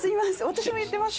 私も言ってます。